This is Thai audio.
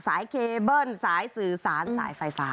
สายเคเบิ้ลสายสื่อสารสายไฟฟ้า